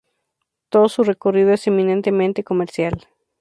Todo su recorrido es eminentemente comercial.